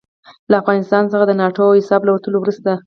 له افغانستان څخه د ناټو او ایساف له وتلو وروسته.